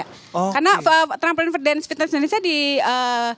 karena trampolin dan speed dance indonesia